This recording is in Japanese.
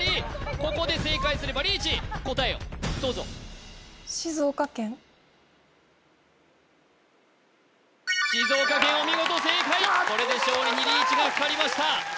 ここで正解すればリーチ答えをどうぞ静岡県お見事正解これで勝利にリーチがかかりました